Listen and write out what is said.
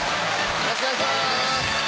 よろしくお願いします。